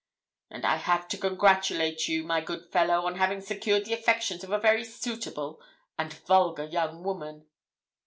'And I have to congratulate you, my good fellow, on having secured the affections of a very suitable and vulgar young woman.'